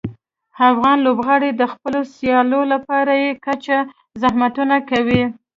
افغان لوبغاړي د خپلو سیالیو لپاره بې کچه زحمتونه کوي.